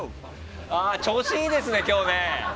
調子いいですね今日ね。